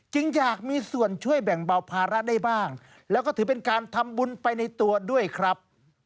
อยากมีส่วนช่วยแบ่งเบาภาระได้บ้างแล้วก็ถือเป็นการทำบุญไปในตัวด้วยครับ